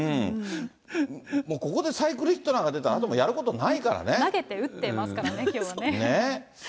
もうここでサイクルヒットなんか出たら、あともう、やることない投げて、打ってますからね、ねぇ。